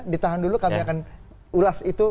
ditahan dulu kami akan ulas itu